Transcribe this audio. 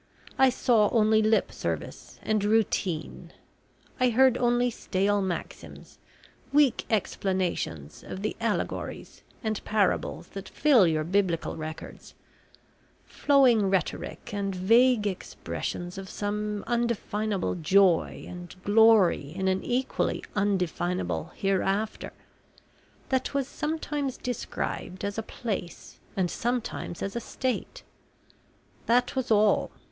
I saw only lip service and routine. I heard only stale maxims, weak explanations of the allegories and parables that fill your Biblical records; flowing rhetoric and vague expressions of some undefinable joy and glory in an equally undefinable Hereafter, that was sometimes described as a place, and sometimes as a state. That was all.